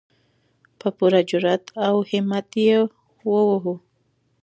په پوره جرئت او همت یې ووهو.